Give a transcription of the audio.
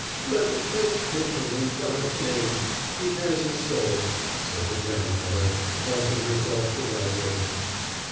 "Let the trench take him, in God's name; he has his soul," said the grandmother, crossing herself devoutly.